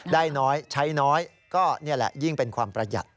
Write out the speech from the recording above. ได้น้อยใช้น้อยก็นี่แหละยิ่งเป็นความประหยัด